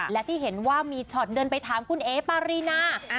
และที่เห็นว่ามีช็อตเดินไปถามคุณเอ๋ปารีนา